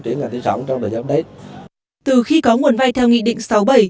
từ khi có nguồn vai theo nghị định sầu